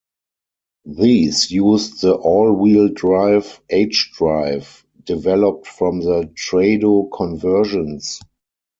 These used the all-wheel-drive H-drive developed from the Trado conversions.